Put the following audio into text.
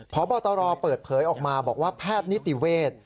พบตรเปิดเผยออกมาบอกว่าแพทย์นิติเวทย์